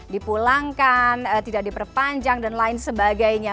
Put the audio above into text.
dipulangkan tidak diperpanjang dan lain sebagainya